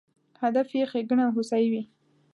هدف یې ښېګڼه او هوسایي وي.